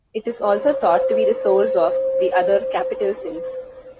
It is also thought to be the source of the other capital sins.